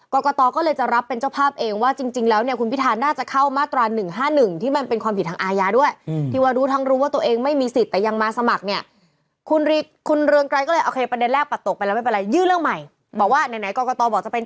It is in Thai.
กรกตการรับเป็นมันแห่งเหมาะเทิดความผิดของคุณสมัครในความปรากฏ